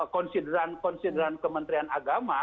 konsideran konsideran kementerian agama